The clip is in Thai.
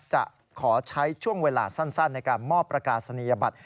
จะขอใช้ช่วงเวลาสั้นในการมอบประกาศนียบัตร